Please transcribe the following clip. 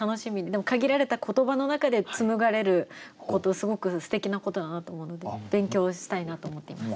でも限られた言葉の中で紡がれることすごくすてきなことだなと思うので勉強したいなと思っています。